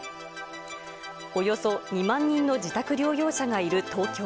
およそ２万人の自宅療養者がいる東京。